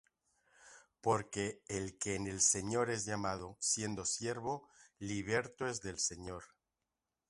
Porque el que en el Señor es llamado siendo siervo, liberto es del Señor: